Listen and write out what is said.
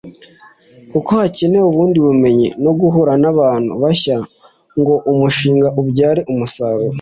kuko hakenewe ubundi bumenyi no guhura n’abantu bashya ngo umushinga ubyare umusaruro